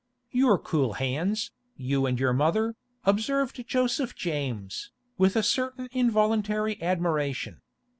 'You're cool hands, you and your mother,' observed Joseph James, with a certain involuntary admiration.